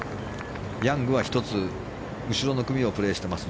ヤングは１つ後ろの組をプレーしています。